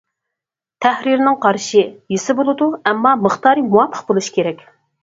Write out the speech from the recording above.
تەھرىرنىڭ قارىشى: يېسە بولىدۇ، ئەمما مىقدارى مۇۋاپىق بولۇشى كېرەك.